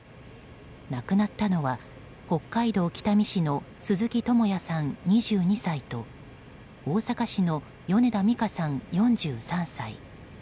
亡くなったのは北海道北見市の鈴木智也さん、２２歳と大阪市の米田美佳さん、４３歳。